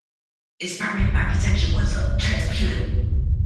Its primary architecture was the Transputer.